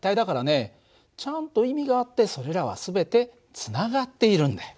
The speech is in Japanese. ちゃんと意味があってそれらは全てつながっているんだよ。